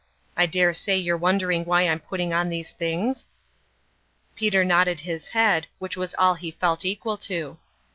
I dare say you're won dering why I'm putting on these things ?" Peter nodded his head, which was all he felt equal to.